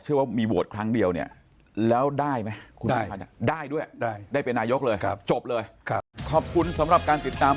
เชื่อว่ามีโหวตครั้งเดียวแล้วได้ไหม